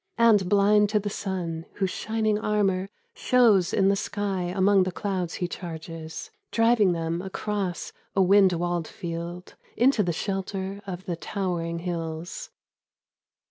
And blind to the sun whose shining armour Shows in the sky among the clouds he charges — Driving them across a wind walled field Into the shelter of the towering hills.